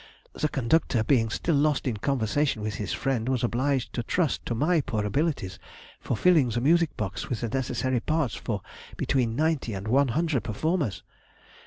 The conductor being still lost in conversation with his friend, was obliged to trust to my poor abilities for filling the music box with the necessary parts for between ninety and one hundred performers.